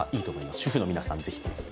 主婦の皆さん、是非。